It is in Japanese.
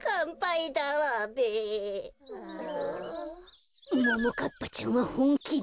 こころのこえももかっぱちゃんはほんきだ。